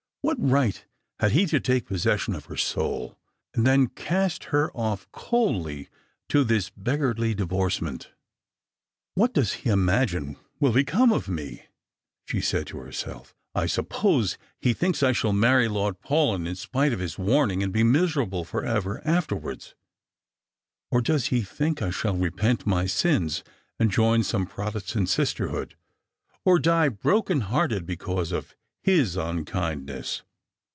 What right had he to take possession of her soul, and then cast her off coldly to this " beggarly divorcement" ?" What does he imagine will become of me ?" she said to her Belf._ " I suppose he thinks I shall marry Lord Paulyn in spite of his warning, and be miserable for ever afterwards. Or does he think I shall repent my sins and join some Protestant sister nood ; OT die broken hearted because of his unkindness